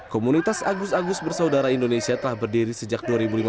komunitas agus agus bersaudara indonesia telah berdiri sejak dua ribu lima belas